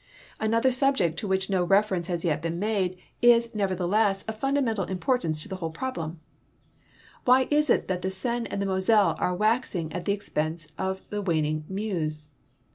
Another subject to which no reference has yet been made is, nevertheless, of fundamental importance to the whole ])roblem : Why is it that the Seine and the Moselle are waxing at the ex j)ense of the waning Meuse